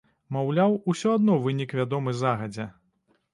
Маўляў, усё адно вынік вядомы загадзя.